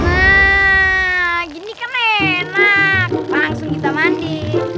wah gini kan enak langsung kita mandi